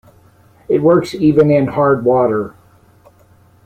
It works even in hard water.